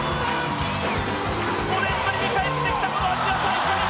５年ぶりに帰ってきたこのアジア大会。